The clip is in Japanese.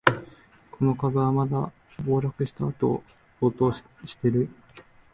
この株、また暴落したあと暴騰してる